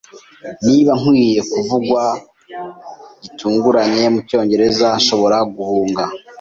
Niba nkwiye kuvugwa gitunguranye mucyongereza, nshobora guhunga.